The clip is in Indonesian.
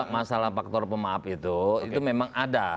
masalah faktor pemaaf itu itu memang ada